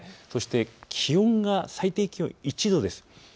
そして、気温が最低気温は１度です。